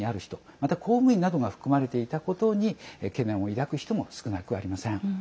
また、公務員などが含まれていたことに懸念を抱く人も少なくありません。